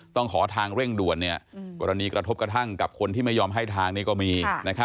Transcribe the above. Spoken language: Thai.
ต้องขอทางเร่งด่วนกรณีกระทบกระทั่งกับคนที่ไม่ยอมให้ทางนี้ก็มี